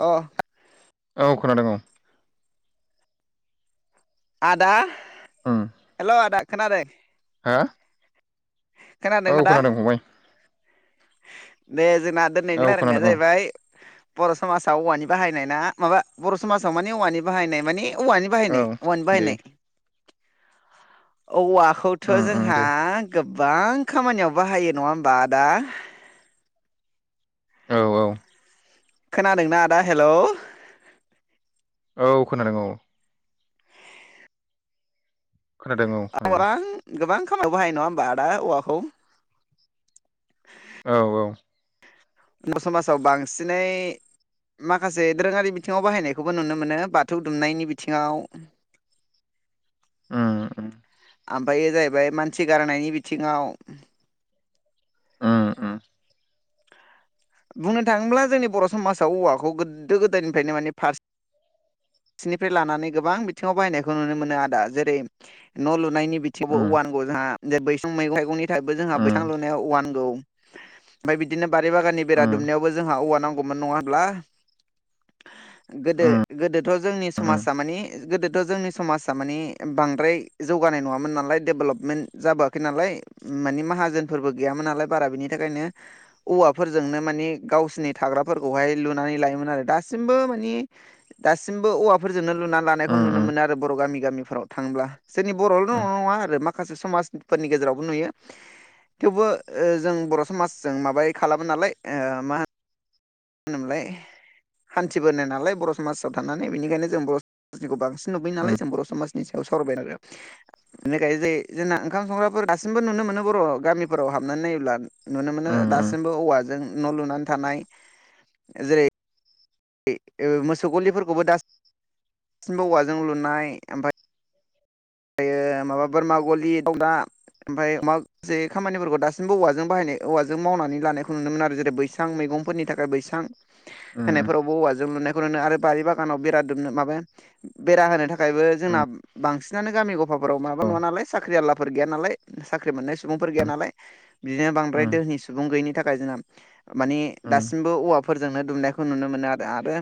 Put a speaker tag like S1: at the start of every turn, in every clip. S1: अ
S2: औ खोनादों औ।
S1: आदा
S2: उम
S1: हेल' आदा खादों।
S2: हा
S1: खोनादोंना
S2: औ
S1: दा
S2: खोनादों फंबाय
S1: दे जोंना दोनैनि
S2: औ
S1: रायलायनाया
S2: खोनादों
S1: जायैबाय बर' समाजाव औवानि बाहायनाय ना माबा बर' समाजाव मानि औवानि बाहायनाय मानि औवानि
S2: औ
S1: बाहायनाय। अवानि
S2: दे
S1: बायनाय औवाखौथ
S2: उम उम
S1: जोंहा
S2: दे
S1: गोबां खामानियाव बाहायो नङा होमबा दा
S2: औ औ
S1: खोनादोंना आदा हेलौ?
S2: औ खोनादों औ खोनादों औ खोनादों
S1: आरं गोबां खामानियाव बाहाय नङा होमबा आदा औवाखौ?
S2: औ औ
S1: बर समाजाव बांसिनै माखासे दोरोङारि बिथिङाव बाहायनायखौबो नुनो मोनो बाथौ दुमनायनि बिथिङाव।
S2: उम उम
S1: ओमफ्रायायो जाहैबाय मानसि गारनायनि बिथिङाव
S2: उम उम
S1: बुंनो थाङोब्ला जोंनि बर' समाजाव औवाखौ गोदो गोदायनिफ्रायनो माने फास सिनिफ्राय लानानै गोबां बिथिङाव बायनायखौ नुनो मोनो आदा जेरै न' लुनायनि बिथिंयावबो औवानांगौ जोंहा ज बैसं मैग थाइगंनि थाखायबो जोंहा
S2: उम
S1: बैसां लुनायाव औवानांगौ। ओमफाय बिदिनो बारि बागाननि बेरा
S2: उम
S1: दुमनायावबो जोंहा औवा नांगौमोन नङा होनब्ला? गोदो
S2: उम
S1: गोदोथ जोंनि
S2: उम
S1: समाजा मानि गो दोथ' जोंनि समाजा मानि बांद्राय जौगानाय नङामोन नालाय डेभेलपमेन्ट जाबोआखै नालाय मानि माहाजोनफोरबो गैयामोन नालाय बारा बिनि थाखायनो औवाफोरजोंनो मानि गावसिोरनि थाग्राफोरखौहाय लुनानै लायोमोन आरो दासिमबो मानि दासिमबो औवाफोरजोंनो लुना
S2: उम
S1: लानायखौ नुनो मोनो आरो बर' गामि गामिफोराव थांब्ला। जोंनि बर'आवल दङ नङा आरो माखासे समाजफोरनि गेजेरावबो नुयो। थेवबो ओ जों बर' समाजजों माबाय खालामो नालाय ओ मा हो होनोमोनलाय हान्थिबोनो नालाय बर' समाजाव थानानै बेनिखायनो जों बर' समाजनिखौ बांसिन नुबोय
S2: उम
S1: नालाय जों बर' समाजनि सायाव सावरायबाय आरो बेनिखायनो जायो जोंना ओंखाम संग्राफोर दासिमबो नुनो मोनो बर' गामिफोराव हाबनानै नायोब्ला नुनो मोनो
S2: उम
S1: दासिमबो औवाजों न' लुनानै थानाय जेरै मोसौ गलिफोरखौबो दासिमबो औवाजों लुनाय ओमफ्राय ओमफ्रायो माबा बोरमा गलि दंदा ओमफ्राय अमा जे खामानिफोरखौ दासिमबो औवाजों बाहायनाय औवाजों मावनानै लानायखौ नुनो मोन आरो जेरै बैसां मैगंफोरनि थाखाय बैसां
S2: उम
S1: होनायफोरावबो औवाजों लुनाय नो आरो बारि बागानाव बेरा दुमनो माबा बेरा होनो थाखायबो जोंना बांसिन नानो गामि गफाफोराव माबा नङा
S2: औ
S1: नालाय साख्रि आललाफोर गैया नालाय साख्रि मोननाय सुबुंफोर गैया नालाय बिदिनो बांद्राय
S2: उम
S1: दोहनि सुबुं गैयिनि थाखाय जोंना मानिे
S2: उम
S1: दासिमबो औवाफोरजोंनो दुमनायखौ नुनो मोनो आरो आरो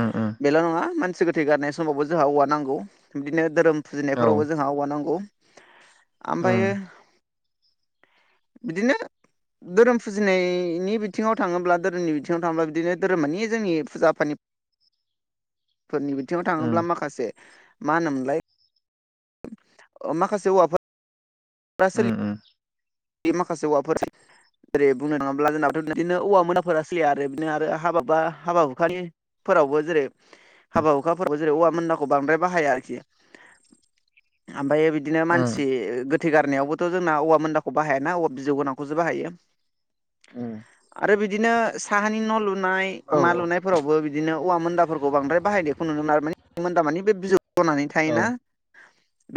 S2: उम
S1: बेल नङा मानसि गोथै गारनाय समावबो जोंहा औवा नांगौ बिदिनो धोरोम
S2: औ
S1: फुजिनायफोरावबो जोंहा औवा नांगौ
S2: उम उम
S1: ओमफ्रायो बिदिनो धोरोम फुजिनायनि बिथिङाव थाङोब्ला धोरोमनि बिथिङाव थाङोब्ला बिदिनो धोरोम मानि जोंनि फुजा फानि
S2: [inaudible]
S1: फोरनि बिथिङाव थाङोब्ला माखासे मा होनोमोनलाय माखासे औवाफोर [unintelligible]
S2: उम
S1: बे माखासे औवाफोर बुंनो नङाब्ला जोंनाथ बिदिनो औवा मोनदाफोरा सोलिया आरो बिदिनो आरो हाबा बा हाबा हुखानि फोरावबो जेरै हाबा हुखाफोरावबो जेरै औवा मोनदाखौ बांद्राय बाहाया आरोखि ओमफ्राय बिदिनो
S2: उम
S1: मानसि गोथै गारनायावबोथ जोंना औवा मोनदा खौ बाहाय ना औवा बिजौ गोनांखौसो बाहायो
S2: उम
S1: आरो बिदिनो साहानि न' लु नाय
S2: औ
S1: मा लुनायफोरावबो बिदि बिदिनो औवा मोनदाफोरखौ बांद्राय बायनायखौ नुनो मोनमोन आरो माने मोनदा मानि बे बिजौ जनानै
S2: औ
S1: थायोना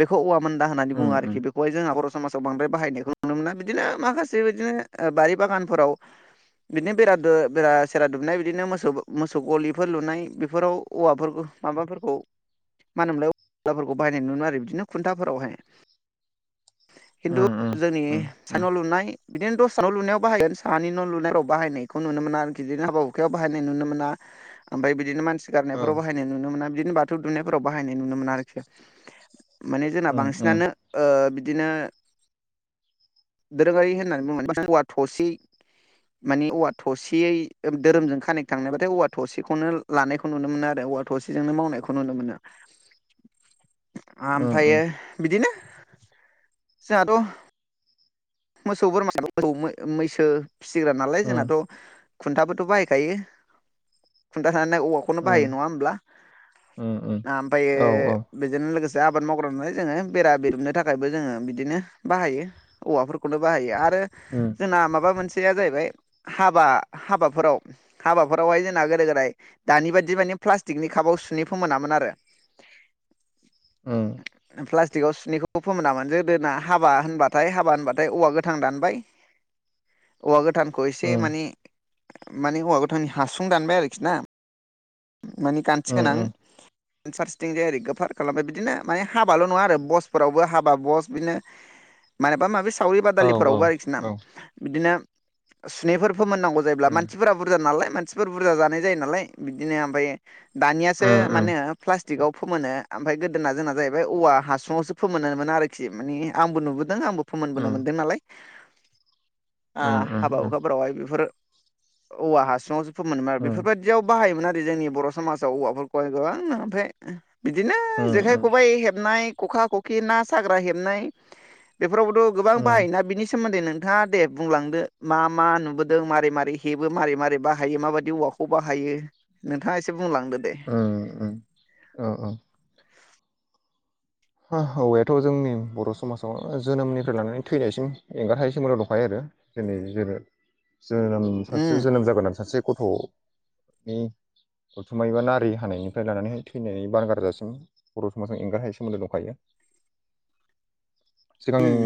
S1: बेखौ औवा मोनदा होननानैुङ
S2: उम उम
S1: आरोखि बेखौहाय जोंहा बर' समाजाव बांद्राय बाहायनायखौ नुनो मोना बिदिनो माखासे बिदिनो बारि बागानफोराव बिदिनो बेरा बेरा सेरा दुमनाय बिदिनो मोसौ मोसौ गलिफोर लुनाय बेफोराव औवाफोरखौ माबाफोरखौ मा होनोमलाय औफोरखौ बायनाय नुनो मोनो आरो बिदिनो खुन्थाफोरावहाय खिन्थु
S2: उम
S1: जोंनि
S2: उम उम
S1: न'सा
S2: उम
S1: न' लुनाय बिदिनो दसरा न' लुनायाव बाहायगोन साहानि न' लुनायफोराव बाहायनायखौ नुनो मोन आरोखिदिनो हाबा आखायाव बाहायनाय नुनो मोना ओमफ्राय बिदिनो मानसि
S2: औ
S1: गारनायफोराव बाहायनाय नुनो मोना बिदिनो बा बाथौ दुमनायफोराव बाहायनाय नुनो मोना आरोखि माने जोंना
S2: उम उम
S1: बांसिनानो बिदिनो दोरोङारि होननानै बुङो औवा थसे माने औवा थसेयै धोरोमजों कानेक थांनायबाथाय औवा थसेखौनो लानायखौ नुनो मोनो आरो औवा थसेजोंनो मावनायखौ नुनो मोनो
S2: [inaudible]
S1: ओमफ्रायो
S2: उम
S1: बिदिनो जोंहाथ मोसौ बोरमा मोसौ मैसो फिसिग्रा नालाय
S2: उम
S1: जोंनाथ
S2: उम
S1: खुन्थाबोथ बाहायखायो खुन्था थानानै औवा खौनो
S2: उम
S1: बाहायो नङा होमब्ला
S2: उम उम
S1: ओमफ्रायो
S2: औ औ
S1: बेजों लोगोसे आबाद मावग्रा नालाय जोङो बेरा बेरुमनो थाखायबो जोङो बिदिनो बाहायो औवाफोरखौनो बाहायो आरो
S2: उम
S1: जोंना माबा मोनसेया जाहैबाय हाबा हाबाफोराव हाबाफोरावहाय जोंना गोदो गोदाय दानि बादि माने प्लास्टिकनि कापाव सुनै फोमोनामोन आरो
S2: [inaudible] उम
S1: प्लास्टिकआव सुनिखौ फोमोनामोन [unintelligible] गोदोना हाबा होनबाथाय हाबा हाबा होनबाथाय औवा गोथां दानबाय औवा गोथांखौ एसे
S2: उम
S1: माने माने औवा गौथांनि हासुं दानबाय आरोखि ना माने गान्थि
S2: उम
S1: गोनां
S2: उम
S1: फारसेथिं जाय ओरै ओरैखौ फार खालामबाय बिदिनो माने हाबाल नङा आरो बसफोरावबो हाबा बस बिदिनो माबा माबि सावरि
S2: औ औ
S1: बादालिफोरावबो आरोखिना
S2: औ
S1: बिदिनो सुनैफोर फोमोननांगौ जायोब्ला
S2: उम
S1: मानसिफोराबो बुरजा नालाय मानसिफोर बुरजा जानाय जायो नालाय बिदिनो ओमफ्राय दानियासो
S2: उम उम
S1: माने प्लास्टिकआव फोमोनो ओमफ्राय गोदोना जोंना जाहैबाय औवा हासुङावसो फोमोनो न आरोखि मानसे आंबो नुबोदों आंबो फोमोनबोनो
S2: उम
S1: मोन्दों नालाय
S2: उम उम उम
S1: हाबा हुखाफोरावहाय बेफोर औवा हासुङाव फोमोनोमोन आरो बेफोरबायदियाव बाहायोमोन आरो जोंनि बर' समाजाव औवाफोरखौहाय गोबांनो ओमफ्राय बिदिनो जेखाइ खबाइ हेब हेबनाय खखा खखि ना साग्रा हेबनाय बेफोरावबोथ गोबां बाहायोना बिनि सोमोन्दै नों नोंथाङा दे बुंलांदो मा मा नुबोदों मारै मारै हेबो मारै मारै बाहायो माबायदि औवाखौ बाहायो नोंथाङा एसे बुंलांदो दे
S2: उम उम औ औ औवायाथ जोंनि बर' समाजाव जोनोमनिफ्राय लानानै थैनायसिम एंगारहायै सोमोन्दो दंखायो आरो दिनै जों जोनोम
S1: उम
S2: सासे जोनोम जाबानो सासे गथ' नि [unintelligible] उथुमाय एबा नारि हानायनिफ्राय लानानैहाय थैनाय बानगार जासिम बर' समाज एंगार हायि सोमोन्दो दंखायो सिगां
S1: उम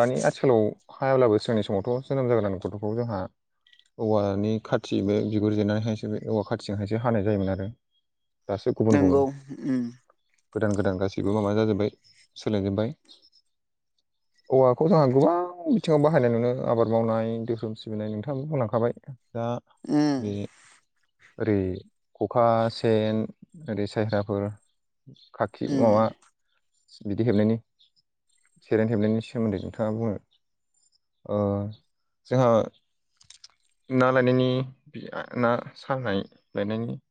S2: दानि आथिखालाव हायाब्लाबो सिगांनि समावथ' जोनोम जागोदान गथ'फोरखौ जोंहा औवानि खाथि बे बिगुर जिरनानैहायसो बे औवा खाथिजोंहायसो हानाय जायोमोन आरो दासो गुबुन गुबुन
S1: नंगौ उम
S2: गोदान गोदान गासै बो माबा जाजोब्बाय सोलायजोब्बाय औवाखौ जोंहा गोबां बिथिङाव बाहायनाय मोनो आबाद मावनाय धोरोम सिबिनाय नोंथाङाबो बुंलांखाबाय दा
S1: उम
S2: बे [unintelligible] ओरै खखा सेन ओरै साहैगाराफोर खाखि
S1: उम
S2: माबा [unintelligible] बिदि हेबनायनि सेरेन हेबनायनि सोमोन्दै नोंथाङा बुङो ओ जोङो ना लायनायनि ना सानाय लायनायनि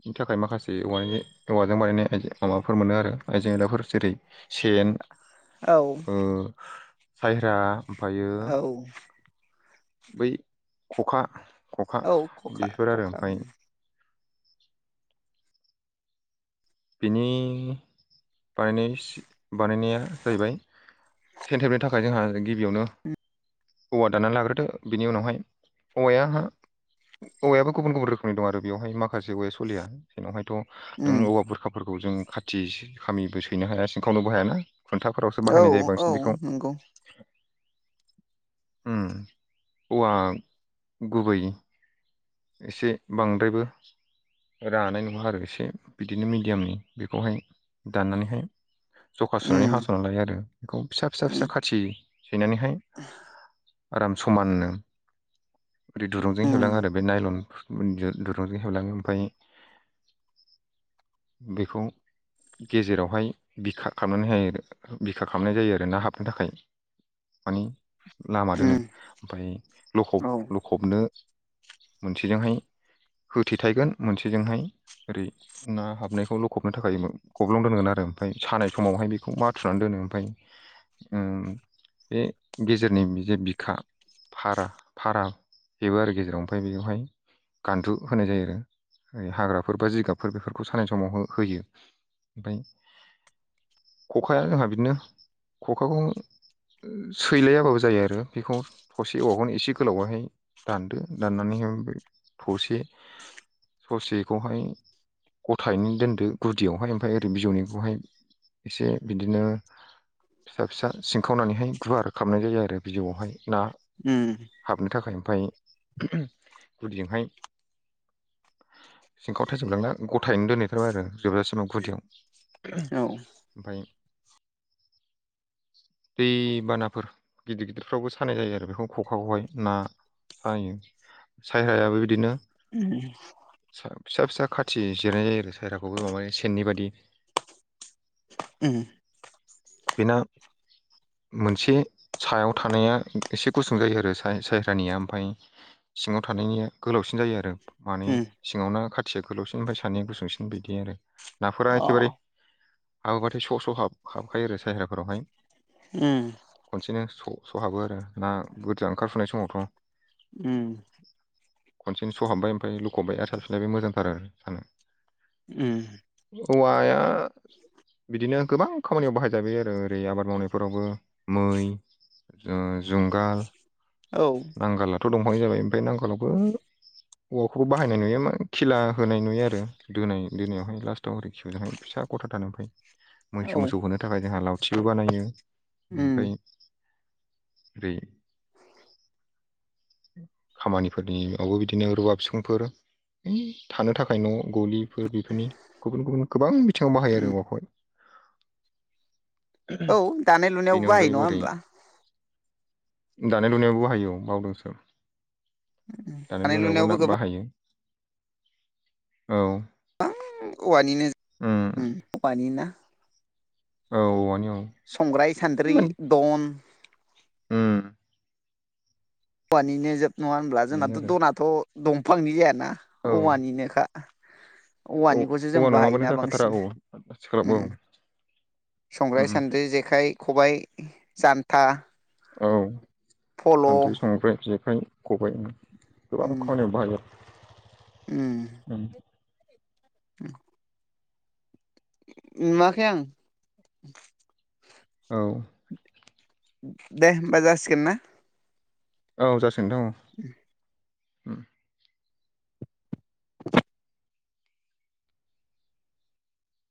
S2: बिनि थाखाय माखासे औवानि औवाजों बानायनाय माबाफोर मोनो आरो आइजें आयलाफोर जेरै सेन
S1: औ
S2: ओ साइरा ओमफ्रायो
S1: औ
S2: बै खखा [unintelligible] खखा
S1: औ खखा
S2: बिफोर आरो
S1: खखा
S2: ओमफ्राय बिनि बानायनाय एसे बानायनाया जाहैबाय सेनथेनो [unintelligible] थाखाय जोंहा गिबियावनो औवा दानना लाग्रोदो बिनि उनावहाय औवाया औवायाबो गुबुन गुबुन रोखोमनि दं आरो बेवहाय माखासे औवाया सलिया जोंनायहायथ'
S1: उम
S2: नों औवा बुरखाफोरखौ जों खाथि खामिबो सैनो हाया सिंखावनोबो हायाना खुन्थाफोरावसो
S1: औ
S2: बाहायनाय जायो
S1: औ
S2: बांसिन बेखौ
S1: नंगौ
S2: उम औवा गुबै एसे बांद्रायबो रानाय नङा आरो एसे बिदिनो मिडियामनि बेखौहाय दाननानैहाय जखा सुनानै
S1: उम
S2: हास'ना लायो आरो बेखौ फिसा फिसा
S1: उम
S2: फिसा खाथि सैनानैहाय आराम समानो ओरै दुरुंजों
S1: उम
S2: हेबलाङो आरो बे नायलन दुरुंजों हेबलाङो ओमफ्राय बेखौ गेजेरावहाय बिखा खामनानैहायो बिखा खालामनाय जायो आरो ना हाबनो थाखाय मानि लामा दोनो
S1: उम
S2: ओमफ्राय
S1: औ
S2: लखब लखबनो मोनसेजोंहाय होथेथाइगोन मोनसेजोंहाय ओरै ना हाबनायखौ लखबनो थाखायोमोन गब्लं दोनगोन आरो ओमफ्राय सानाय समावहाय बेखौ मा थुनानै दोनो ओमफ्राय बे गेजेरनि जे बिखा फारा फारा बेेबो आरो गेजेराव ओमफ्राय बेयावहाय गान्थु होनाय जायो आरो हाग्राफोर बा जिगाबफोर बेफोरखौ सानाय समाव हो होयो। ओमफ्राय खखाया जोंहा बिदिनो खखाखौ सैलायाबाबो जायो आरो बेखौ थसे औवाखौनो एसे गोलावहाय दानदो दाननानैहाय थसे ससेखौहाय गथायै दोनदो गुदियावहाय ओमफ्राय ओरै बिजौनिखौहाय एसे बिदिनो फिसा फिसा सिंखावनानैहाय गुवार खामनाय जायो आरो बिजौआवहाय ना
S1: उम
S2: हाबनो थाखाय ओमफ्राय गुदिजोंहाय सिंखाव थायजोबलांना गथायैनो दोनहैथारबाय आरो जोबजासिमाव गुदियाव
S1: औ
S2: ओमफ्राय दैबानाफोर गिदिर गिदिरफ्रावबो सानाय जायो आरो बेखौ खखाखौहाय ना सायो सायहायाबो बिदिनो
S1: [inaudible]
S2: फिसा फिसा खाथि जिरनाय जायो आरो सायाखौबो माबानि सेननि बायदि [inaudible]
S1: उम
S2: बेना मोनसे सायाव थानाया एसे गुसुं जायो आरो सायानिया ओमफ्राय सिङाव थानायनिया गोलावसिन जायो आरो माने
S1: उम
S2: सिङावनो खाथिया गोलावसिन ओमफ्राय सानै गुसुंसिन बिदि आरो
S1: अ
S2: नाफोरा एखेबारे हाबोब्लाथाय स'स' हाब हाबखायो आरो सायहाफोरावहाय
S1: उम
S2: खनसेनो स स'हाबो आरो ना गोदा ओंखारफुनाय समावथ'
S1: उम
S2: खनसेनो स'हाबबाय ओमफ्राय लुखबबाय आर साफिबाय मोजांथार आरो सानो
S1: उम
S2: औवाया बिदिनो गोबां खामानियाव बाहायजाबाय आरो ओरै आबाद मावनायफोरावबो मै जुंगाल
S1: औ
S2: नांगालाथ' दंफांनि जाबाय ओमफ्राय नांगालावबो औवाखौबो बाहायनाय नुयो खिला होनाय नुयो आरो दोनाय दोनायावहाय लास्टआव आरै खिबुजोंहाय फिसा गथाथानो नुखायो मैसो
S1: औ
S2: मोसौ होनो थाखाय जोंहा लावथिबो बानायो
S1: उम
S2: ओमफ्राय बै खामानिफोरनियावबो बिदिनो रुवा फिखुंफोर है थानो थाखाय न' गलिफोर बेफोरनि गुबुन गुबुन गोबां बिथिङाव बाहायो
S1: उम
S2: आरो औवाखौहाय
S1: औ दानाय
S2: बेनि
S1: लुनायावबो बाहाय
S2: अनगायैबो
S1: नङा
S2: ओरै
S1: होमबा
S2: दानाय लुनायाव बाहायो औ बावदोंसो दानाय लुनायावबो ना बाहायो औ
S1: औवानिनो उम औवानि ना
S2: औ औवानि औ
S1: संग्राय सान्द्रि दन
S2: उम
S1: औवानिनो जेब नङा होनब्ला
S2: बिदिनो
S1: जोंनाथ'
S2: आरो
S1: दनाथ' दंफांनि जायाना
S2: औ
S1: औवानिनोखा
S2: औ
S1: औवानिखौसो जों
S2: औवा नङाबानो
S1: बाहायोना
S2: जाखाथारा
S1: बांसिन
S2: औ आथिखालावबो
S1: उम
S2: औ
S1: संग्राय
S2: उम उम
S1: सान्द्रि जेखाइ खबाइ जानथा
S2: औ सान्द्रि संग्राय जेखाइ खबाइ गोबां
S1: उम
S2: खामानियाव बाहायो। उम
S1: उम। नुवाखै आ
S2: औ।
S1: दे होमबा जासिगोन ना
S2: औ जासिगोन नोंथां औ।
S1: [inaudible]
S2: उम
S1: [inaudible]